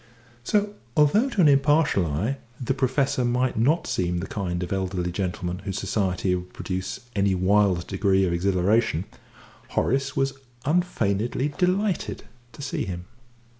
So, although to an impartial eye the Professor might not seem the kind of elderly gentleman whose society would produce any wild degree of exhilaration, Horace was unfeignedly delighted to see him.